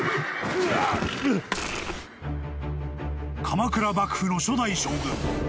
［鎌倉幕府の初代将軍］